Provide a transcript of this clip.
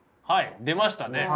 はい出ましたね。